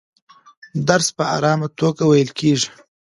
درس په ارامه توګه ویل کېږي.